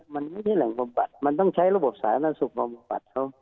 มันไม่ใช่แหล่งประบัติมันต้องใช้ระบบสารนักศึกประบัติ